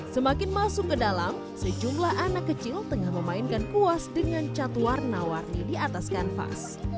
semakin masuk ke dalam sejumlah anak kecil tengah memainkan kuas dengan cat warna warni di atas kanvas